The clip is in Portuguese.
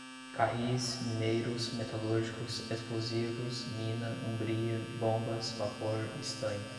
carris, mineiros, metalúrgicos, explosivos, mina, Hungria, bombas, vapor, estanho